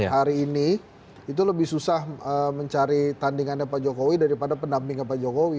hari ini itu lebih susah mencari tandingannya pak jokowi daripada pendampingnya pak jokowi